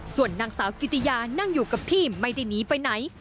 ส่วนนางสาวกิติยานั่งอยู่กับที่ไม่ได้หนีไปไหน